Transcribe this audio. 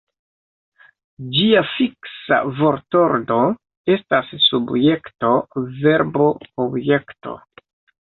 Ĝia fiksa vortordo estas subjekto-verbo-objekto.